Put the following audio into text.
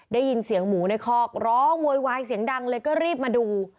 ได้ยินเสียงหมูในคอกร้องโวยวายเสียงดังเลยก็รีบมาดู